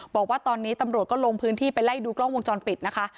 บอกว่าตอนนี้ตำรวจก็ลงพื้นที่ไปไล่ดูกล้องวงจรปิดนะคะ